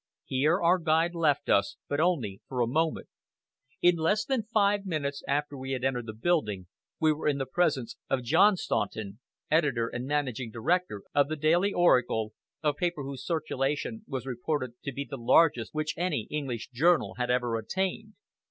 Here our guide left us, but only for a moment. In less than five minutes after we had entered the building we were in the presence of John Staunton, Editor and Managing Director of the Daily Oracle, a paper whose circulation was reported to be the largest which any English journal had ever attained.